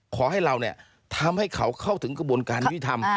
ขอให้เราทำให้เขาเข้าถึงกระบวนการยุทธรรม